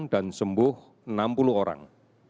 dan sembuh enam puluh orang